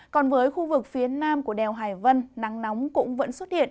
còn với khu vực phía nam của đèo hải vân nắng nóng cũng vẫn xuất hiện